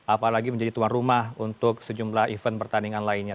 apalagi menjadi tuan rumah untuk sejumlah event pertandingan lainnya